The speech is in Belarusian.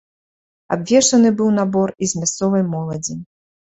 Абвешчаны быў набор і з мясцовай моладзі.